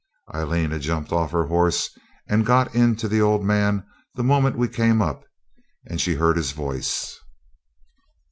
Aileen had jumped off her horse and gone in to the old man the moment we came up and she heard his voice.